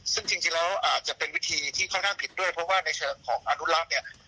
ซึ่งจริงแล้วอาจจะเป็นวิธีที่ค่อนข้างผิดด้วยเพราะว่าในเชิงของอนุรักษ์เนี่ย